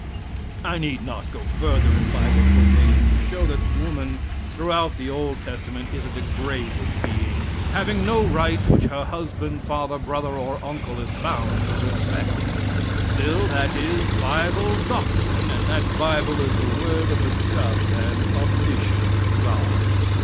I need not go further in bible quotations to show that woman, throughout the old testament, is a degraded being, having no rights which her husband, father, brother, or uncle is bound to respect. Still, that is bible doctrine, and that bible is the word of a just and omniscient God!